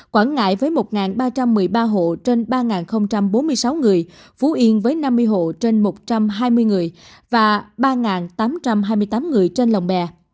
quảng ngãi với một ba trăm một mươi ba hộ trên ba bốn mươi sáu người phú yên với năm mươi hộ trên một trăm hai mươi người và ba tám trăm hai mươi tám người trên lòng bè